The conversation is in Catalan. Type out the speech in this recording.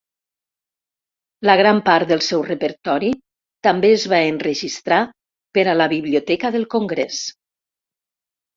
La gran part del seu repertori també es va enregistrar per a la Biblioteca del Congrés.